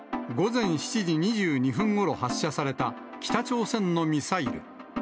午前７時２２分ごろ発射された北朝鮮のミサイル。